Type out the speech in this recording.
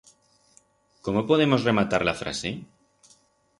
Cómo podemos rematar la frase?